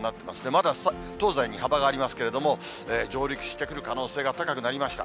まだ東西に幅がありますけれども、上陸してくる可能性が高くなりました。